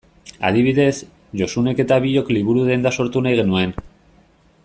Adibidez, Josunek eta biok liburu-denda sortu nahi genuen.